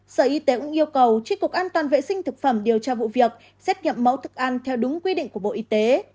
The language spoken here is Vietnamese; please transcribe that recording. sở y tế cũng yêu cầu tri cục an toàn vệ sinh thực phẩm điều tra vụ việc xét nghiệm mẫu thức ăn theo đúng quy định của bộ y tế